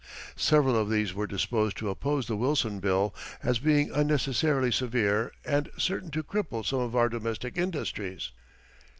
Several of these were disposed to oppose the Wilson Bill as being unnecessarily severe and certain to cripple some of our domestic industries.